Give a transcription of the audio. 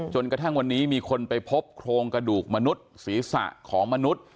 จนกระทั่งวันนี้มีคนไปพบโครงกระดูกมนุษย์ศีรษะของมนุษย์